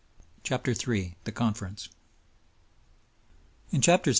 CHAPTER III THE CONFERENCE In Chapters IV.